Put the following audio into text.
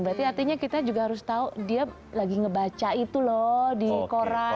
berarti artinya kita juga harus tahu dia lagi ngebaca itu loh di koran